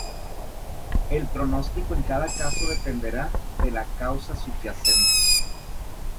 El pronóstico en cada caso dependerá de la causa subyacente.